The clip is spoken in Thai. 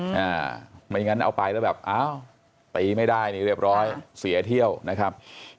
ไม่งั้นเอาไปแล้วแบบอ้าวตีไม่ได้นี่เรียบร้อยเสียเที่ยวนะครับ